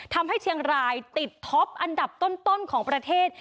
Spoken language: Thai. ทำให้เชียงรายติดท็อปอันดับต้นของประเทศ